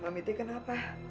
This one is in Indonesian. mami itu kenapa